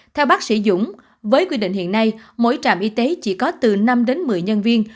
theo bác sĩ dũng với quy định hiện nay mỗi trạm y tế chỉ có từ năm đến một mươi nhân viên